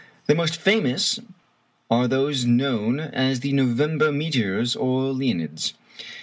The most famous are those known as the November meteors, or Leonids.